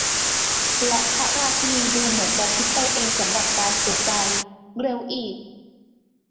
และพระราชินีดูเหมือนว่าจะคิดไปเองสำหรับการเสียใจ เร็วอีก !